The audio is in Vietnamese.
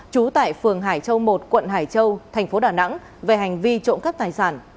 trú tại phường hải châu một quận hải châu thành phố đà nẵng về hành vi trộm cắp tài sản